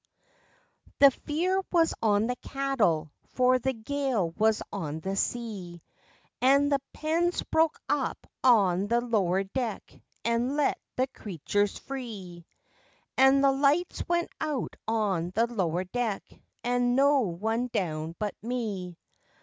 The fear was on the cattle, for the gale was on the sea, An' the pens broke up on the lower deck an' let the creatures free An' the lights went out on the lower deck, an' no one down but me.